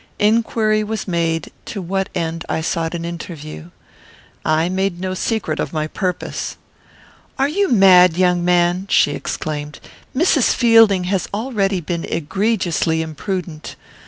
Inquiry was made to what end I sought an interview. I made no secret of my purpose. "Are you mad, young man?" she exclaimed. "Mrs. Fielding has already been egregiously imprudent.